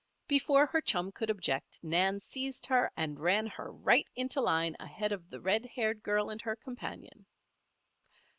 Before her chum could object, Nan seized her and ran her right into line ahead of the red haired girl and her companion.